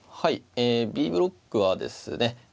ええＢブロックはですね